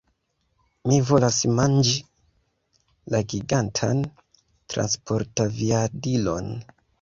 Mi volas manĝi la gigantan transportaviadilon!